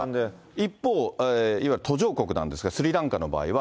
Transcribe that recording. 一方、途上国なんですが、スリランカの場合は。